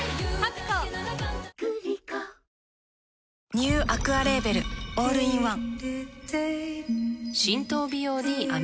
ニューアクアレーベルオールインワン